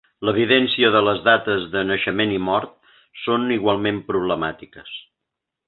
L'evidència de les dates de naixement i mort són igualment problemàtiques.